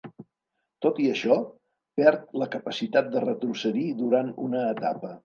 Tot i això, perd la capacitat de retrocedir durant una etapa.